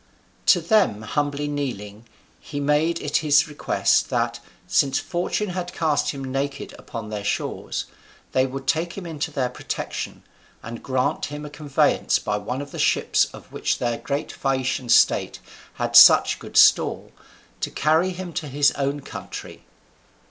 To them humbly kneeling, he made it his request that, since fortune had cast him naked upon their shores, they would take him into their protection, and grant him a conveyance by one of the ships of which their great Phaeacian state had such good store, to carry him to his own country.